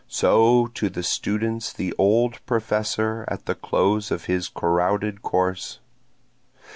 (So to the students the old professor, At the close of his crowded course.)